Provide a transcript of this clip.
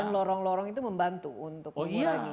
dan lorong lorong itu membantu untuk mengurangi jumlah banjir